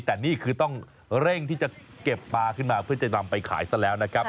แต่นี่คือต้องเร่งที่จะเก็บปลาขึ้นมาเพื่อจะนำไปขายซะแล้วนะครับ